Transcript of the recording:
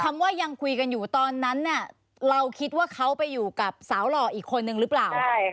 คำว่ายังคุยกันอยู่ตอนนั้นเนี่ยเราคิดว่าเขาไปอยู่กับสาวหล่ออีกคนนึงหรือเปล่า